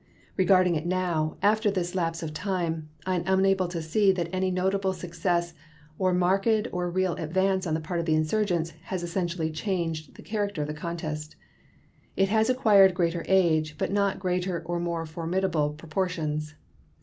Regarding it now, after this lapse of time, I am unable to see that any notable success or any marked or real advance on the part of the insurgents has essentially changed the character of the contest. It has acquired greater age, but not greater or more formidable proportions.